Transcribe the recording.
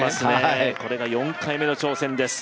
これが４回目の挑戦です。